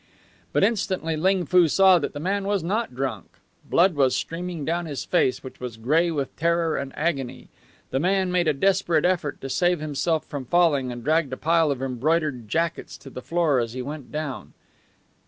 But instantly Ling Foo saw that the man was not drunk. Blood was streaming down his face, which was gray with terror and agony. The man made a desperate effort to save himself from falling, and dragged a pile of embroidered jackets to the floor as he went down.